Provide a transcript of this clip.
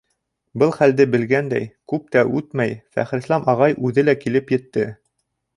Был хәлде белгәндәй, күп тә үтмәй, Фәхрислам ағай үҙе лә килеп етте.